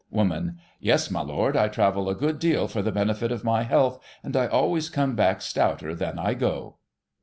Woman : Yes, my Lord, I travel a good deal for the benefit of my health, and I always come back stouter than I go.